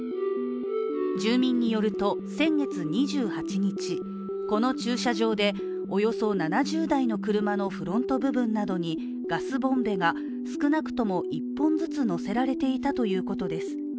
住民によると先月２８日この駐車場でおよそ７０台の車のフロント部分などにガスボンベが少なくとも１本ずつのせられていたということです。